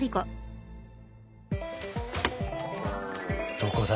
どこだ？